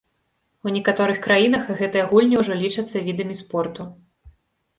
У некаторых краінах гэтыя гульні ўжо лічацца відамі спорту.